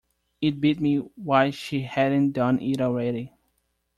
It beat me why she hadn't done it already.